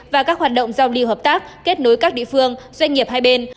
và các hoạt động giao lưu hợp tác kết nối các địa phương doanh nghiệp hai bên